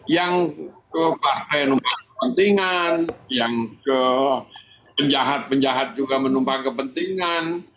yang ke partai numpang kepentingan yang ke penjahat penjahat juga menumpang kepentingan